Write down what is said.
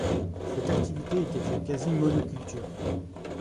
Cette activité était une quasi-monoculture.